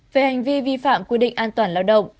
về hành vi vi phạm quy định an toàn lao động